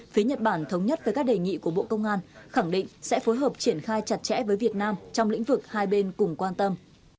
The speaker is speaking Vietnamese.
phía nhật bản thống nhất với các đề nghị của bộ công an khẳng định sẽ phối hợp triển khai chặt chẽ với việt nam trong lĩnh vực hai bên cùng quan tâm